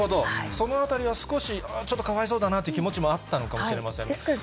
そのあたりは少しちょっとかわいそうだなという気持ちもあったのかもしれませんね。